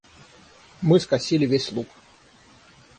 Мы скосили весь луг.